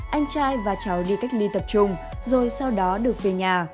anh trai và cháu đi cách ly tập trung rồi sau đó được về nhà